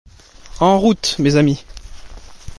En route, mes amis.